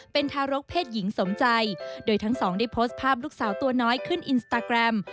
เป็นทารกเพศหญิงสมใจโดยทั้งสองได้โพสต์ภาพลูกสาวตัวน้อยขึ้นอินสตาแกรม